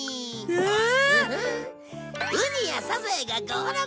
えっ？